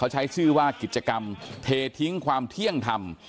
ใช้ชื่อว่ากิจกรรมเททิ้งความเที่ยงธรรม